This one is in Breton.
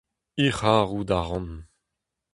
He c'harout a ran.